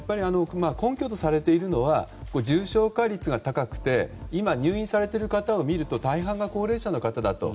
根拠とされているのは重症化率が高くて今、入院されている方を見ると大半が高齢者の方だと。